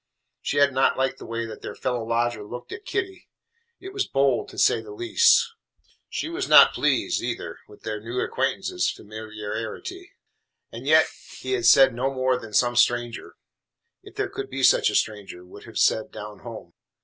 She had not liked the way that their fellow lodger looked at Kitty. It was bold, to say the least. She was not pleased, either, with their new acquaintance's familiarity. And yet, he had said no more than some stranger, if there could be such a stranger, would have said down home.